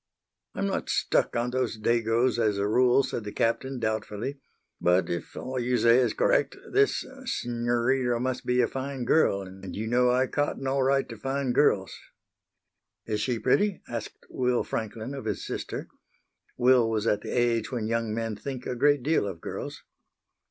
"I'm not stuck on those Dagos as a rule," said the Captain, doubtfully, "but if all you say is correct this s'norita must be a fine girl, and you know I cotton all right to fine girls." "Is she pretty?" asked Will Franklin of his sister. Will was at the age when young men think a great deal of girls.